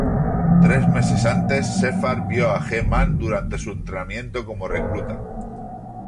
Tres meses antes, Shephard vio a G-Man durante su entrenamiento como recluta.